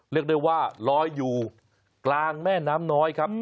เรียกได้ว่าลอยอยู่กลางแม่น้ำน้อยครับ